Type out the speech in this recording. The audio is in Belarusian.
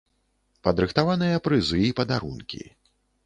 Падрыхтаваныя прызы і падарункі.